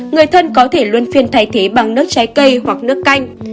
người thân có thể luân phiên thay thế bằng nước trái cây hoặc nước canh